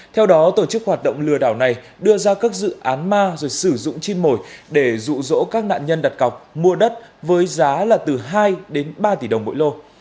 theo đó tổ chức hoạt động lừa đảo này đưa ra các dự án ma rồi sử dụng chim mồi để rụ rỗ các nạn nhân đặt cọc mua đất với giá là từ hai đến ba tỷ đồng mỗi lô